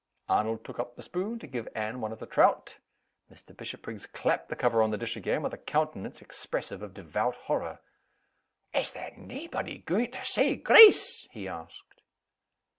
Arnold took up the spoon, to give Anne one of the trout. Mr. Bishopriggs clapped the cover on the dish again, with a countenance expressive of devout horror. "Is there naebody gaun' to say grace?" he asked.